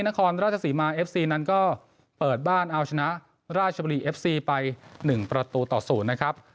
นครราชสีมาเอฟซีนั้นก็เปิดบ้านเอาชนะราชบุรีเอฟซีไป๑ประตูต่อ๐นะครับ